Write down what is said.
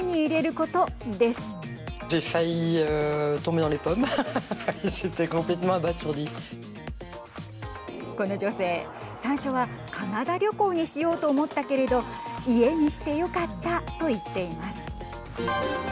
この女性、最初はカナダ旅行にしようと思ったけれど家にしてよかったと言っています。